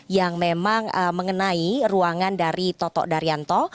yang memang mengenai ruangan dari toto daryanto